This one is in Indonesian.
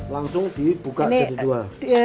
langsung dibuka jadi dua